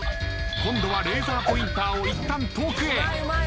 今度はレーザーポインターをいったん遠くへ。